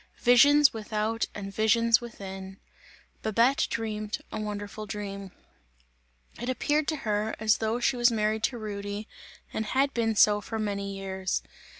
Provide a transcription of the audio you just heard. Visions without and visions within! Babette dreamt a wonderful dream. It appeared to her, as though she was married to Rudy, and had been so for many years.